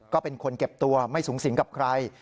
ก็เป็นคนเก็บตัวไม่สูงสิงกับใคร